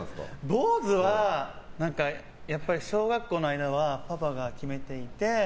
坊主は小学校の間はパパが決めていて。